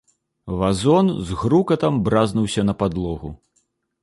Вазон з грукатам бразнуўся на падлогу.